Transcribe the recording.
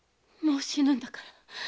もう死ぬんだから。